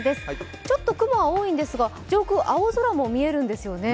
雲もちょっと多いんですが、上空、青空も見えるんですよね。